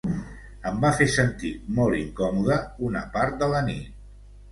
Em va fa sentir molt incòmode una part de la nit.